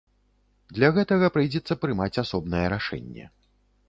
Для гэтага прыйдзецца прымаць асобнае рашэнне.